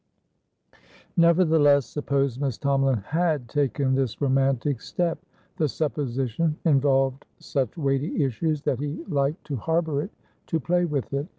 Nevertheless, suppose Miss Tomalin had taken this romantic step? The supposition involved such weighty issues that he liked to harbour it, to play with it.